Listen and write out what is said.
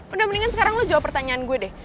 udah mendingan sekarang lo jawab pertanyaan gue deh